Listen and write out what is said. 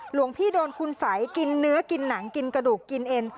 หลวงพี่โดนคุณสัยกินเนื้อกินหนังกินกระดูกกินเอ็น